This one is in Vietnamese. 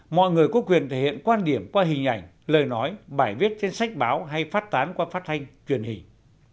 mọi người có quyền thể hiện quan điểm qua hình ảnh lời nói bài viết trên sách báo hay phát tán qua phát thanh truyền hình